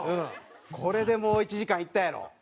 これでもう１時間いったやろ。